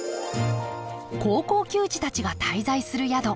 高校球児たちが滞在する宿。